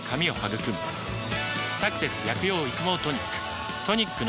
「サクセス薬用育毛トニック」